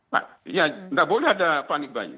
tidak boleh ada panik baying